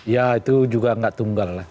ya itu juga nggak tunggal lah